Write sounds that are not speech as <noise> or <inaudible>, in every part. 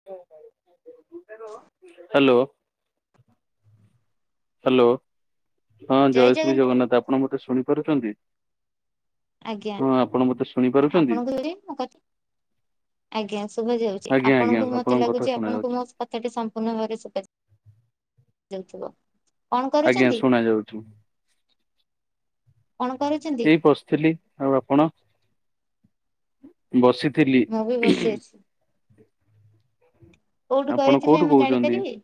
Hello. Hello ହଁ ଜୟ ଶ୍ରୀ ଜଗନ୍ନାଥ ଆପଣ ମତେ ଶୁଣିପାରୁଛନ୍ତି। ଆଜ୍ଞା। ହଁ ଆପଣ ମତେ ଆପଣଙ୍କ ଦେ ମୁଁ କଥା ଆଜ୍ଞା ଶୁଭ ଯାଉଛି। ଆଜ୍ଞା ଆଜ୍ଞା ଆପଣଙ୍କୁ ମତେ ଆପଣଙ୍କ କଥା ଲାଗୁଛି ଶୁଣା ଆପଣଙ୍କୁ ଯାଉଛି। ମୋ କଥା ସମ୍ପୂର୍ଣ୍ଣ ଭାବରେ ଶୁଭାଉଛି। ଯାଉଥିବ। କଣ ଆଜ୍ଞା କରୁଛନ୍ତି ଶୁଣା ଯାଉଛି। କଣ କରୁଛନ୍ତି। ଏଇ ବଶିଥିଲି। ଆଉ ଆପଣ? ବସିଥିଲି। ମୁଁ ବି ବସି ଅଛି। କୋଉଠୁ ଆପଣ କରିଥିଲେ କୋଉଠୁ ମୁଁ କହୁଛନ୍ତି? ଜାଣିପାରିବି।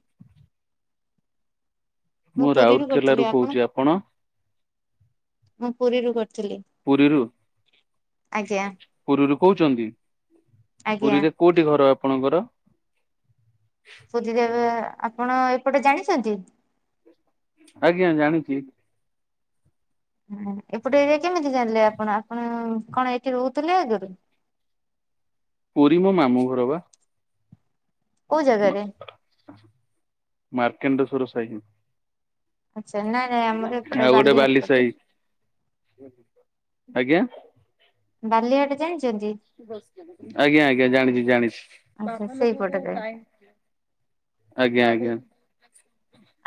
ମୁଁ ପୁରୀରୁ ରାଉରକେଲା ରୁ କରିଥିଲି। ଆପଣ? କହୁଛି ମୁଁ ପୁରୀରୁ କରିଥିଲି। ପୁରୀରୁ ଆଜ୍ଞା ପୁରୀରୁ କହୁଛନ୍ତି ଆଜ୍ଞା ପୁରୀରେ କୋଉଠି ଘର ଆପଣଙ୍କର? ସୁଧି ଦେବ ଆପଣ ଏପଟେ ଜାଣିଛନ୍ତି? ଆଜ୍ଞା ଜାଣିଛି। ହୁଁ ଏପଟେ ଏଆ କେମିତି ଜାଣିଲେ ଆପଣ ଆପଣ କଣ ଏଠି ରହୁଥିଲେ ଆଗରୁ। ପୁରୀ ମୋ ମାମୁଁ ଘର ବା। କଉ ଜାଗା ରେ। ମାର୍କେଣ୍ଡ ସର ସହି। ଆଚ୍ଛା ନାଇଁ ନାଇଁ ଆମର ଏପଟେ ଆଉ ଗୋଟେ ବାଲିହାଡ ବାଲି ସାହି ପଟେ। ଆଜ୍ଞା। ବାଲିଆଟେ ଜାଣିଛନ୍ତି? ଆଜ୍ଞା ଆଜ୍ଞା ଜାଣିଚି ଆଚ୍ଛା ସେଇପଟରେ ଜାଣିଚି। ଆଜ୍ଞା ଆଜ୍ଞା।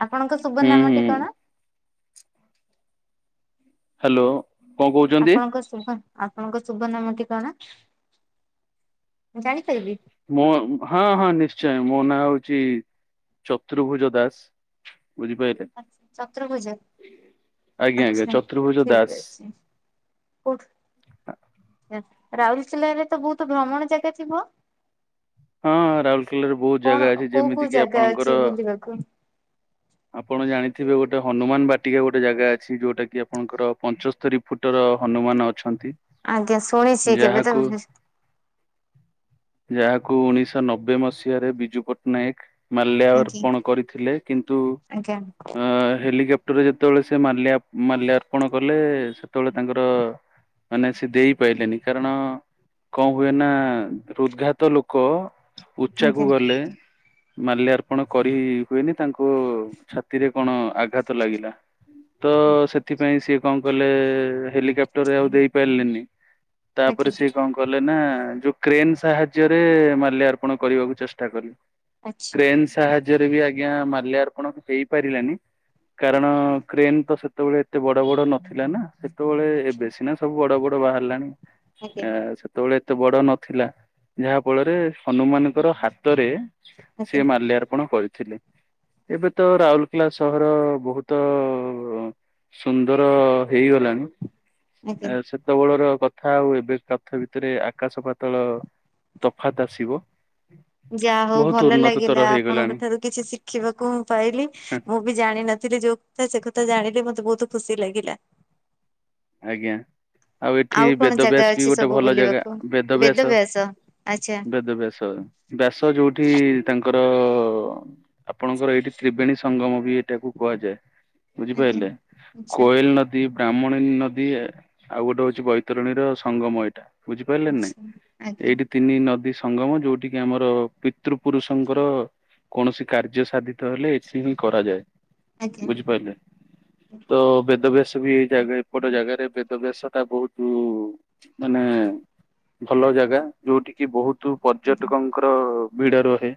ଆପଣଙ୍କ ଶୁଭ ହୁଁ ନାମ ହୁଁ ଟି କଣ? ହ୍ୟାଲୋ। କଣ କହୁଛନ୍ତି? ଆପଣଙ୍କ ଶୁଭ ଆପଣଙ୍କ ଶୁଭ ନାମ ଟି କଣ ମୁ ଜାଣିପାରିବି? ମଁ ହଁ ହଁ ନିଶ୍ଚୟ ମୋ ନାଁ ହଉଛି ଚତୁର୍ଭୁଜ ଦାସ। ବୁଝିପା ଆଛା ଚତୁର୍ଭୁଜ ଆଜ୍ଞା ଆଜ୍ଞା ଆଛା ଚତୁର୍ଭୁଜ ଦାସ ଠିକ ଅଛି। ଉଠୁ ରାଉରକେଲରେ ତ ବହୁତ ଭ୍ରମଣ ଜାଗା ଥିବ। ହଁ ରାଉରକେଲ ରେ ବହୁତ କଣ ଜାଗା ଅଛି କୋଉ କୋଉ ଯେମିତି କିି ଜାଗା ଅଛି ଆପଣଙ୍କର ବୁଲିବାକୁ? ଆପଣ ଜାଣିଥିବେ ଗୋଟେ ହନୁମାନ ବାଟିକା ଗୋଟେ ଜାଗା ଅଛି। ଯୋଉଟା କିି ଆପଣଙ୍କର ପଞ୍ଚସ୍ତରୀ ଫୁଟର ହନୁମାନ ଅଛନ୍ତି। ଆଜ୍ଞା ଶୁଣିଛି କେବେ ତ ଯାହାକୁ ଯାହାକୁ ଉଣେଇଶଶହ ନବେ ମସିହାରେ ବିଜୁ ପଟ୍ଟନାୟକ ମାଲ୍ୟ ଆଜ୍ଞା ଅର୍ପଣ କରିଥିଲେ କିନ୍ତୁ ଆଜ୍ଞା ଅ ହେଲିକପ୍ ରେ ଯେତେବେଳେ ସେ ମା ମାଲ୍ୟର୍ପଣ କଲେ ସେତେବେଳେ ତାଙ୍କର ମାନେ ସେ ଦେଇପାରଲେନି କାରଣ କଣ ହୁଏ ନା ହୃଦ୍ଘାତ ଲୋକ ଲୋକ ଉଚ୍ଚାକୁ ଆଜ୍ଞା ଗଲେ ମାଲ୍ୟର୍ପଣ କରି ହୁଏନି ତାଙ୍କୁ ଛାତିରେ କଣ ଆଘାତ ଲାଗିଲା ତ ସେଥିପାଇଁ ସିଏ କଣ ଗଲେ ହେଲିକପ୍ଟରରେ ଆଉ ଦେଇପାରିଲନି ତାପରେ ସେ କଣ କଲେ ନା ଯୋଉ କ୍ରେନ ସାହାଯ୍ୟରେ ମାଲ୍ୟର୍ପଣ କରିବାକୁ ଚେଷ୍ଟା କଲେ ଆଚ୍ଛା ଆଜ୍ଞା କ୍ରେନ ସାହାଯ୍ୟରେ ବି ଆଜ୍ଞା ମାଲ୍ୟାର୍ପଣ ହେଇପାରିଲାନି। କାରଣ କ୍ରେନ ତ ସେତେବେଳେ ଏତେ ବଡ ବଡ ନଥିଲା ନା ସେତେବେଳେ ଏବେ ସିନା ସବୁ ବଡ ବଡ ଏବେ ତ ବାହାରିଲାଣି ଆଜ୍ଞା ଆ ସେତେବେଳେ ଏତେ ବଡ ନଥିଲା। ଯାହା ଫଳରେ ହନୁମାନଙ୍କର ହାତରେ ସେ ମାଲ୍ୟାର୍ପଣ କରିଥିଲେ। ଏବେ ତ ରାଉରକେଲା ସହର ବହୁତ ସୁନ୍ଦର ହେଇଗଲାଣି। ଆଜ୍ଞା ସେତେବେଳର କଥା ଆଉ ଏବେ କାଥ ଭିତରେ ଆକାଶ ପାତଳ ତଫାତ୍ ଆସିବ। ଯାହା ହଉ ବହୁତ ଭଲ ଉନ୍ନତତର ଲାଗିଲା ହେଇଗଲାଣି ଆପଣଙ୍କ ଠାରୁ କିଛି ଶିଖିବାକୁ ମୁଁ ପାଇଲି। ମୁଁ ବି ଜାଣିନଥିଲି ଯୋଉ କଥା ସେ କଥା ଜାଣିଲେ ମତେ ବହୁତ ଖୁସି ଲାଗିଲା। ଆଜ୍ଞା। ଆଉ ଏଠି କଣ ଜାଗା ବେଦବ୍ୟାସ ବି ଅଛି ଗୋଟେ ସବୁ ଭଲ ଜାଗା ବୁଲିବାକୁ? ବେଦବ୍ୟାସ ଆଚ୍ଛା ବେଦବ୍ୟାସ। ବ୍ୟାସ ଯୋଉଠି ତାଙ୍କର - - ଆପଣଙ୍କର ଏଇଠି ତ୍ରିବେଣୀ ସଙ୍ଗମ ବି ଏଇଟାକୁ କୁହାଯାଏ। ଆଜ୍ଞା। ବୁଝିପାରିଲେ ଆଚ୍ଛା କୋଏଲ ନଦୀ ବ୍ରାହ୍ମଣୀ ନଦୀ ଯଦି ଆଉ ଗୋଟେ ହଉଛି ବୈତରଣୀର ସଙ୍ଗମ ଏଇଟା ବୁଝିପାରିଲେ ନାଇଁ ଆଚ୍ଛା ଆଜ୍ଞା ଏଇଠି ତିନି ନଦୀ ସଙ୍ଗମ ଯୋଉଠ କିି ଆମର ପିତୃ ପୁରୁଷଙ୍କର କୌଣସି କାର୍ଯ୍ୟ ସାଧିତ ହେଲେ ଏଠି ବି କରାଯାଏ। ଆଜ୍ଞା ବୁଝିପାରିଲେ ତ ବେଦ ବ୍ୟାସ ବି ଏଇ ଜାଗା ଗୋଟେ ଜାଗାରେ ବେଦ ବ୍ୟାସ ଟା ବହୁତ ମାନେ ଭଲ ଜାଗା ଯୋଉଠି କିି ବହୁତୁ ପର୍ଯ୍ୟଟକଙ୍କର ଭିଡ ରହେ।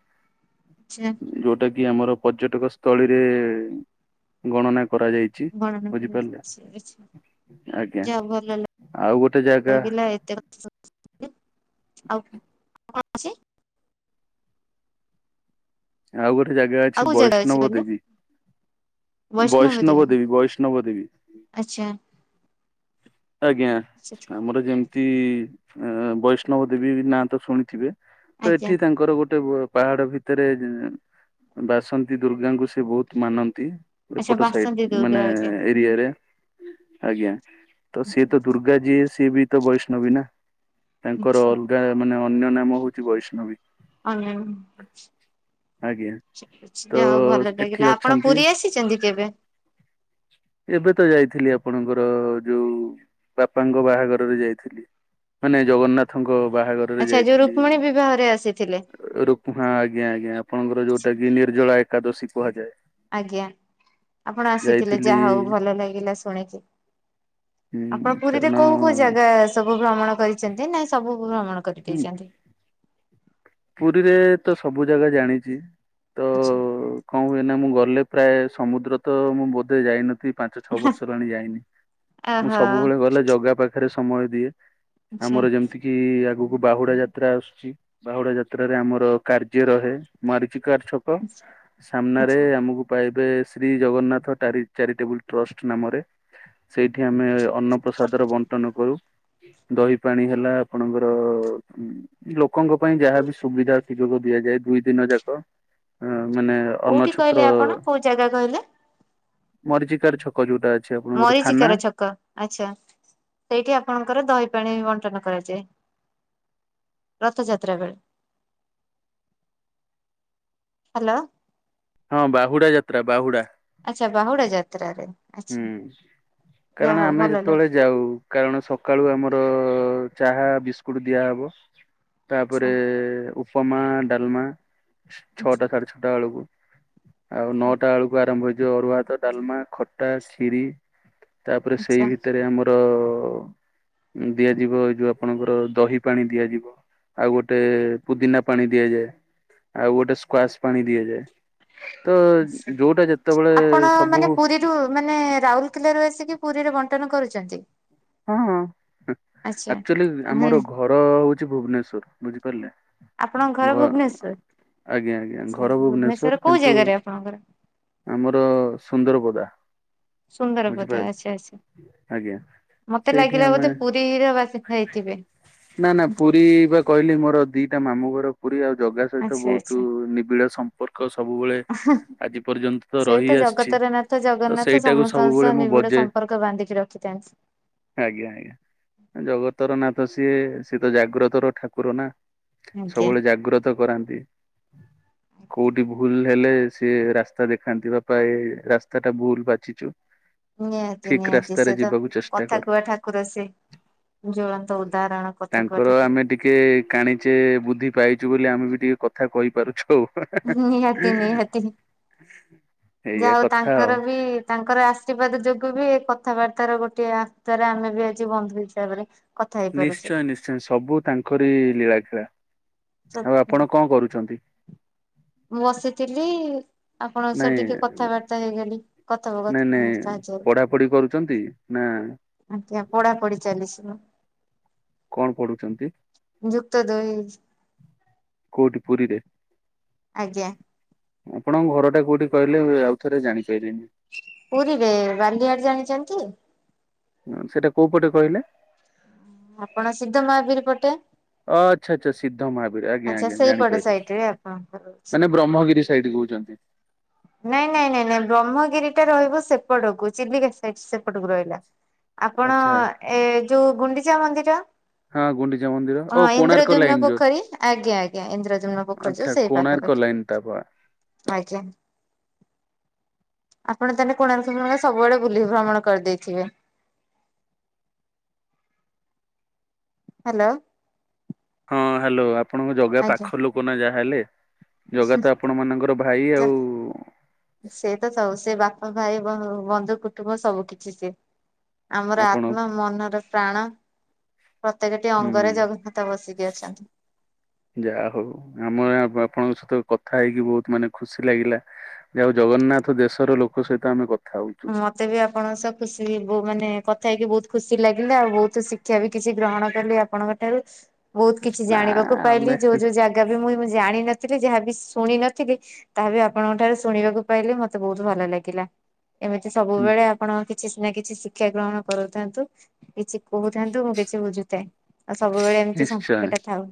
ଆଛା। ଯୋଉଟା କି ଆମର ପର୍ଯ୍ୟଟକ ସ୍ଥଳୀରେ ଗଣନା କରାଯାଇଛି। ଗଣନା ବୁଝିପାରିଲେ? <unintelligible> ଆଜ୍ଞା ଯାହା ହଉ ଭଲ ଆଉ ଗୋଟେ ଜାଗା ଲାଗିଲା ଏତେ ଆଉ କଣ ଅଛି? ଆଉ ଗୋଟେ ଜାଗା ଆଉ ଅଛି କୋଉ ଜାଗା ବୈଷ୍ଣବ କହିଲେ? ଦେବୀ। ବୈଷ୍ଣବ ଦେବୀ ବୈଷ୍ଣବ ଦେବୀ। ଆଚ୍ଛା। ଆଜ୍ଞା ସେଠି ଆମର ଯେମିତି ବୈଷ୍ଣବ ଦେବୀ ନାଁ ତ ଶୁଣିଥିବେ? ତ ଆଜ୍ଞା ଏଠି ତାଙ୍କର ଗୋଟେ ପାହାଡ ଭିତରେ ବାସନ୍ତି ଦୁର୍ଗାଙ୍କୁ ସେ ବହୁତ ମାନନ୍ତି। ଏ ଆଚ୍ଛା ପଟ ବାସନ୍ତୀ ସାଇଟ ଦୁର୍ଗା ମାନେ ଆଜ୍ଞା। ଏରିଆରେ ଆଜ୍ଞା। ତ ସିଏ ତ ଦୁର୍ଗା ଯିଏ ସିଏ ବି ତ ବୈଷ୍ଣବୀ ନା ତାଙ୍କର ଆଚ୍ଛା ମାନେ ଅନ୍ୟ ନାମ ହଉଛି ବୈଷ୍ଣବୀ। ଅନ୍ୟ ନାମ ଆଜ୍ଞା ଯା ତ ହେଉ ଭଲ ଏଠି ଲାଗିଲା ଆପଣ ଅଛନ୍ତି ପୁରୀ ଆସିଛନ୍ତି କେବେ? ଏବେ ତ ଯାଇଥିଲି ଆପଣଙ୍କର ଯୋଉ ବାପାଙ୍କ ବାହାଘରରେ ଯାଇଥିଲି ମାନେ ଜଗନ୍ନାଥଙ୍କ ବାହାଘର ଆଚ୍ଛା ଯୋଉ ଥିଲି ରୁକ୍ମଣୀ ବିବାହରେ ଆସିଥିଲେ ରକୁଣା ଆଜ୍ଞ ଆପଣଙ୍କର ଯୋଉଟା କି ନିଜଳା ଏକାଦଶୀ କୁହାଯାଏ। ଆଜ୍ଞା ଆପଣ ଆସିଥିଲେ ଯାଇଥିଲି ଯାହା ହଉ ଭଲ ଲାଗିଲା ଶୁଣିକି। ହୁଁ ଆପଣ ପୁରୀରେ କାରଣ କୋଉ କୋଉ ଜାଗା ଅ ସବୁ ଭ୍ରମଣ କରିଚନ୍ତି ନା ସବୁ ଭ୍ରମଣ କରିଦେଇଚନ୍ତି? ପୁରୀରେ ତ ସବୁ ଜାଗା ଜାଣିଛି ତ ଆଛା। କଣ ହୁଏନା ମୁଁ ଗଲେ ପ୍ରାୟ ସମୁଦ୍ର ତ ମୁଁ ବୋଧେ ଯାଇନଥିଲି। ପାଞ୍ଚ ଛଅ ବର୍ଷ ହେଲାଣି ଯାଇନି ମୁଁ ଆହା ସବୁବେଳେ ଗଲେ ଜଗା ପାଖରେ ସମୟ ଦିଏ। ଆଛା ଆମର ଯେମିତି କିି ଆଗକୁ ବାହୁଡା ଯାତ୍ରା ଆସୁଛି। ବାହୁଡା ଯାତ୍ରାରେ ଆମର କାର୍ଯ୍ୟ ରହେ ମରିଚିକାର ଛକ। ସାମ୍ନାରେ ଆଛା। ଆମକୁ ପାଇବେ ଶ୍ରୀ ଜଗନ୍ନାଥ ଚାରିଟେବୁଲ ଟ୍ରଷ୍ଟ ନାମରେ ସେଇଠି ଆମେ ଅନ୍ନପ୍ରସାଦର ବଣ୍ଟନ କରୁ। ଦହି ପାଣି ହେଲା ଆପଣଙ୍କର ଲୋକଙ୍କ ପାଇଁ ଯାହା ବିି ସୁବିଧା ସୁଯୋଗ ଦିଆଯାଏ। ଦୁଇ ଦିନ ଯାକ। ଅ ମାନେ କୋଉଠି କହିଲେ ଅନ୍ନଛତ୍ର ଆପଣ କୋଉ ଜାଗା କହିଲେ? ମରିଚିକାର ଛତ ଯୋଉଟା ଅଛି ଆପଣଙ୍କର ଥାନା। ଆଛା ସେଇଠି ଆପଣଙ୍କର ଦହି ପାଣି ବଣ୍ଟନ କରାଯାଏ। ରଥଯାତ୍ରା ବେଳେ ହ୍ୟାଲୋ। ହଁ ବାହୁଡା ଯାତ୍ରା ବାହୁଡା। ଆଚ୍ଛା ବାହୁଡା ଯାତ୍ରାରେ। ଆଚ୍ଛା ହୁଁ ଯାହା କାରଣ ହଉ ଆମେ ଭଲ ଯେତେବେଳେ ଲାଗିଲା। ଯାଉ। କାରଣ ସକାଳୁ ଆମର ଚାହା ବିସ୍କୁଟ ଦିଆହବ। ଆଛା ତାପରେ ଉପମା ଡାଲମା ଛଅଟା ସାଢେ ଛଅଟା ବେଳକୁ ଆଉ ନଅଟା ବେଳକୁ ଆରମ୍ଭ ହେଇଯିବ ଅରୁଆ ହାତ ଡାଲମା ଖଟା ଖିରି। ତାପରେ ସେଇ ଆଛା ଭିତରେ ଆମର ଦିଆଯିବ ଏ ଯୋଉ ଆପଣଙ୍କର ଦହି ପାଣି ଦିଆଯିବ। ଆଉ ଗୋଟେ ପୁଦିନା ପାଣି ଦିଆଯାଏ। ଆଉ ଗୋଟେ ସ୍କ୍ୱାସ ପାଣି ଦିଆଯାଏ। ତ ଯୋଉଟା ଯେତେବେଳେ ଆପଣ ସବୁ ମାନେ ପୁରୀରୁ ମାନେ ରାଉରକେଲା ରୁ ଆସିକି ପୁରୀରେ ବଣ୍ଟନ କରୁଛନ୍ତି। ହଁ ହଁ ଆଚ୍ଛା। ଆକ୍ଚୁଲି ଆମର ମାନେ ଘର ହଉଛି ଭୁବନେଶ୍ଵର ବୁଝିପାରିଲେ। ଆପଣଙ୍କ ଘର ଘ ଭୁବନେଶ୍ଵର ଆଜ୍ଞା ଆଜ୍ଞା ଆଛା ଘର ଭୁବନେଶ୍ଵର। କୋଉ କିନ୍ତୁ ଜାଗାରେ ଆପଣଙ୍କର? ଆମର ସୁନ୍ଦରପଦା। ସୁନ୍ଦରବଦ ବୁଝିପାରିଲେ ଆଛା ଆଛା। ଆଜ୍ଞା ମତେ ସେଇଠି ଲାଗିଲା ଆମେ ବୋଧେ ପୁରୀ ହର ବାସି ହେଇଥିବେ। ନା ନା ପୁରୀ ବା କହିଲି ମୋର ଦିଟା ମାମୁଁ ଘର। ପୁରୀ ଆଉ ଜଗା ସହିତ ଆଚ୍ଛା ବହୁତ ଆଚ୍ଛା। ନିବିଡ଼ ସମ୍ପର୍କ ସବୁବେଳେ ଆଜି ପର୍ଯ୍ୟନ୍ତ ସେଇ ରହି ତ ଆସିଛି ଜଗତର ନାଥ ତ ଜଗନ୍ନାଥ ସେଇଟାକୁ ସମସ୍ତଙ୍କ ସବୁବେଳେ ସହ ମୁଁ ନିବିଡ ବଜେ ସମ୍ପର୍କ ବାନ୍ଧିକି ରଖିଥାନ୍ତି। ଆଜ୍ଞା ଆଜ୍ଞା। ଜଗତର ନାଥ ସିଏ ସିଏ ତ ଜାଗ୍ରତର ଠାକୁର ନା ଆଜ୍ଞା ସବୁବେଳେ ଜାଗ୍ରତ। ଭକ୍ତ କରାନ୍ତି। କୋଉଠି ଭୁଲ ହେଲେ ସେ ରାସ୍ତା ଦେଖାନ୍ତି ବାପା ଏ ରାସ୍ତା ଟା ଭୁଲ ବାଛିଛୁ। ନିହାତି ଠିକ ନିହାତି ରାସ୍ତାରେ ସେ ତ ଯିବାକୁ ଚେଷ୍ଟା କଥା କର। କୁହ ଠାକୁର ସେ ଜ୍ୱଳନ୍ତ ଉଦାହରଣ। କଥା କୁହା ତାଙ୍କର ଠାକୁର। ଆମେ ଟିକେ କାଣିଛେ ବୁଦ୍ଧି ପାଇଛୁ ବୋଲି ଆମେ ବି ଟିକେ କଥା କହିପାରୁଛୁ ଆଉ। ନିହାତି ନିହାତି ଯା ଏଇଆ ହଉ କଥା ଆଉ। ତାଙ୍କର ବି ତାଙ୍କର ଆଶୀର୍ବାଦ ଯୋଗୁ ବି ଏ କଥାବାର୍ତ୍ତା ର ଗୋଟେ ଆସ୍ରେ ଆମେ ବି ଆଜି ବନ୍ଧୁ ହିସାବରେ କଥା ନିଶ୍ଚୟ ହେଇପାରୁଛେ। ନିଶ୍ଚୟ ସବୁ ତାଙ୍କରି ଲୀଳା ଖେଳା। ଆଉ ଆପଣ କଣ କରୁଛନ୍ତି? ମୁଁ ବସିଥିଲି ଆପଣଙ୍କ ସହ ନାଇଁ ଟିକେ କଥାବାର୍ତ୍ତା ହେଇଗଲି। ନାଇଁ କଥୋପକଥନ ନାଇଁ ସାହାଯ୍ୟରେ ପଢା ପଢି କରୁଛନ୍ତି ନା ଆଜ୍ଞା ପଢାପଢି ଚାଲିଛି ନା। କଣ ପଢୁଛନ୍ତି ଯୁକ୍ତ ଦୁଇ କୋଉଠି ପୁରୀରେ? ଆଜ୍ଞା। ଆପଣଙ୍କ ଘର ଟା କୋଉଠି କହିଲେ ଆଉ ଥରେ ଜାଣିପାଇଲିନି। ପୁରୀରେ ବାଲିଆଡ ଜାଣିଛନ୍ତି? ହଁ ସେଇଟା କୋଉ ପଟେ କହିଲେ? ଆପଣ ସିଦ୍ଧ ମହାବୀର ପଟେ। ଅ ଆଚ୍ଛା ଆଚ୍ଛା ସିଦ୍ଧ ମହାବୀର ଆଜ୍ଞା ଆଚ୍ଛା ଆଜ୍ଞା ସେଇପଟ ଜାଣିପାଇଲି। ସାଇଟ ରେ ଆପଣଙ୍କର ରହୁଛି। ମାନେ ବ୍ରହ୍ମଗିରି ସାଇଡ କହୁଛନ୍ତି। ନାଇଁ ନାଇଁ ନାଇଁ ନାଇଁ ବ୍ରହ୍ମଗିରି ଟା ରହିବୁ ସେପଟକୁ ଚିଲିକା ସାଇଟ ସେପଟକୁ ରହିଲା। ଆପଣ ଆଚ୍ଛା ଏ ଯୋଉ ଗୁଣ୍ଡିଚା ମନ୍ଦିର ହଁ ଗୁଣ୍ଡିଚା ମନ୍ଦିର ଓ ହଁ କୋଣାର୍କ ଇନ୍ଦ୍ରଦ୍ୟୁମ୍ନ ଲାଇନ ଯୋଉ ପୋଖରୀ ଆଜ୍ଞା ଆଜ୍ଞା ଇନ୍ଦ୍ରଦ୍ୟୁମ୍ନ ପୋଖରୀ ଆଚ୍ଛା ଯୋଉ ସେଇ କୋଣାର୍କ ପାଖାପାଖି। ଲାଇନ ତାପ ଆଜ୍ଞା। ଆପଣ ତାହେଲେ କୋଣାର୍କମେଳା ସବୁଆଡେ ବୁଲି ଭ୍ରମଣ କରିଦେଇଥିବେ? ହ୍ୟାଲୋ। ହଁ ହ୍ୟାଲୋ ଆପଣଙ୍କ ଜଗା ଆଜ୍ଞା। ପାଖ ଲୋକ ନା ଯାହେଲେ। ଜଗା ତ ଆପଣ ମାନଙ୍କର ଭାଇ ଯା ଆଉ ସେ ତ ସବୁ ସେ ବାପା, ଭାଇ, ବନ୍ ବନ୍ଧୁ କୁଟୁମ୍ବ ସବୁ କିଛି ସିଏ। ଆମର ଆପଣ ଆତ୍ମା ମନର ପ୍ରାଣ। ପ୍ରତ୍ୟେକଟି ହୁଁ ଅଙ୍ଗରେ ଜଗନ୍ନାଥ ବସିକି ଅଛନ୍ତି। ଯାହା ହଉ ଆମ ଆପ ଆପଣଙ୍କ ସହିତ କଥା ହେଇକି ବହୁତ ମାନେ ଖୁସି ଲାଗିଲା ଜାଉ ଜଗନ୍ନାଥ ଦେଶର ଲୋକ ସହିତ ଆମେ କଥା ହଉଚୁ। ମତେ ବି ଆପଣଙ୍କ ସହ ଖୁସି ବୁ ମାନେ କଥା ହେଇକି ବହୁତ ଖୁସି ଲାଗିଲେ ଆଉ ବହୁତ ଶିକ୍ଷା ବି କିଛି ଗ୍ରହଣ କଲି ଆପଣଙ୍କ ଠାରୁ ବହୁତ କିଛି ନା ଜାଣିବାକୁ ପାଇଲି ଆମେ ଯୋଉ ଯୋଉ ଜାଗ କବି ମୁଁ ଜାଣିନଥିଲି ଯାହାବ ଶୁଣିିନଥିଲି ତାହା ବି ଆପଣଙ୍କ ଠାରୁ ଶୁଣିବାକୁ ପାଇଲି ମତେ ବହୁତ ଭଲ ଲାଗିଲା ଏମିତି ସବୁବେଳେ ଆପଣ କି ଚିସ୍ ନା କିଛି ଶିକ୍ଷା ଗ୍ରହଣ କରୁଥାନ୍ତୁ କିଛି କହୁଥାନ୍ତୁ ମୁଁ କିଛି ବୁଝୁଥାଏ। ଆଉ ସବୁବେଳେ ଏମିତି ନିଶ୍ଚୟ ସଙ୍କେଟ ଥାଉ।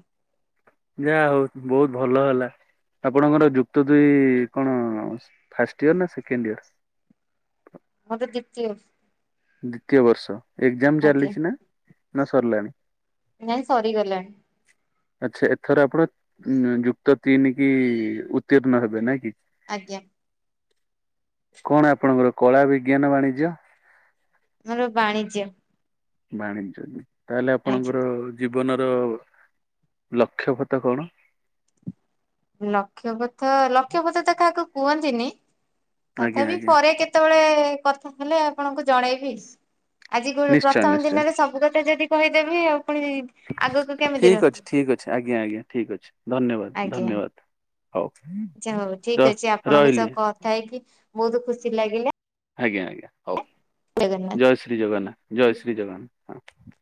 ଯାହା ହଉ ବହୁତ ଭଲ ହେଲା ଆପଣଙ୍କର ଯୁକ୍ତ ଦୁଇ କଣ ଫାଷ୍ଟ ଇୟର ନା ସେକେଣ୍ଡ ଇୟର? ମୋତ ଦିତୀୟ। ଦ୍ଵିତୀୟ ବର୍ଷ ଏକ୍ଜାମ ଆଜ୍ଞା ଚାଲିଛି ନା ନା ସରିଲାଣି? ନାଇଁ ସରିଗଲାଣି। ଆଚ୍ଛା ଏଥର ଆପଣ ଉ ଯୁକ୍ତ ତିନି କି ଉତ୍ତୀର୍ଣ୍ଣ ହେବେ ନାଇ କି? ଆଜ୍ଞା। କଣ ଆପଣଙ୍କର କଳା ବିଜ୍ଞାନ ବାଣିଜ୍ୟ? ମୋର ବାଣିଜ୍ୟ। ବାଣିଜ୍ୟ ନାଇ ତାହେଲେ ଆଜ୍ଞା ଆପଣଙ୍କର ଜୀବନର ଲକ୍ଷ୍ୟ ଫତା କଣ? ଲକ୍ଷପଥ ଲକ୍ଷପଥ ତ କାହାକୁ କୁହନ୍ତିନି ଆଜ୍ଞା ତଥାପି ଆଜ୍ଞା ପରେ କେ କେତେବେଳେ କଥା ହେଲେ ଆପଣଙ୍କୁ ଜଣେଇବି ଆଜି ଗୁଳ ନିଶ୍ଚୟ ପ୍ରଥମ ନିଶ୍ଚୟ ଦିନରେ ସବୁ କଥା ଯଦି କହିଦେବି ଆଉ ପୁଣି ଆଗକୁ କେମିତି ଠିକ ଅଛି ରଖିବି ଠିକ ଅଛି ଆଜ୍ଞା ଆଜ୍ଞା ଠିକ ଅଛି ଧନ୍ୟବାଦ ଧନ୍ୟବାଦ। ହଉ। ଆଛା ହଉ ର ଠିକ ଅଛି ଆପଣଙ୍କ ରହିଲି ସହ କଥା ହେଇକି ବହୁତ ଖୁସି ଲାଗିଲା ଆଜ୍ଞା ଆଜ୍ଞା ହଉ ଜଗନ୍ନାଥ। ଜୟ ଶ୍ରୀ ଜଗନ୍ନାଥ ଜୟ ଶ୍ରୀ ଜଗନ୍ନାଥ ହଁ।